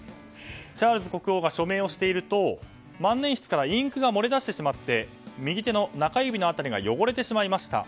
チャールズ国王が署名をしていると万年筆からインクが漏れ出してしまって右手の中指の辺りが汚れてしまいました。